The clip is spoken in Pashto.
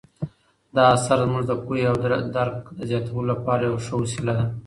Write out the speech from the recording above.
دا اثر زموږ د پوهې او درک د زیاتولو لپاره یوه ښه وسیله ده.